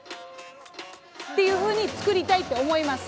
っていうふうに作りたいって思います。